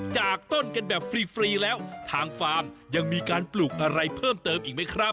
จากต้นกันแบบฟรีแล้วทางฟาร์มยังมีการปลูกอะไรเพิ่มเติมอีกไหมครับ